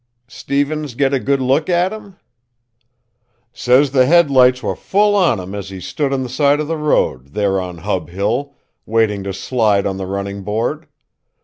"Stevens got a good look at him?" "Says the headlights were full on him as he stood on one side of the road, there on Hub Hill, waiting to slide on the running board.